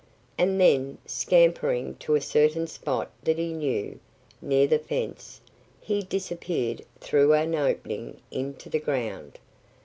And then, scampering to a certain spot that he knew, near the fence, he disappeared through an opening into the ground.